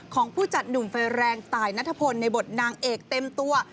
ของผู้จัดหนุ่มไฟแรงตายนัทพลในบทนางเอกเต็มตัว